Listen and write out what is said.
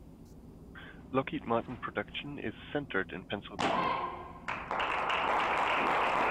Lockheed Martin production is centered in Pennsylvania.